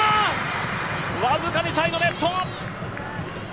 僅かにサイドネット！